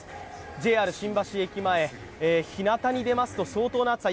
ＪＲ新橋駅前、ひなたに出ますと相当な暑さ